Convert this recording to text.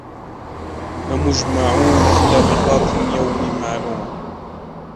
لَمَجْمُوعُونَ إِلَى مِيقَاتِ يَوْمٍ مَّعْلُومٍ